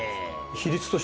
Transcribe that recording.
比率としては？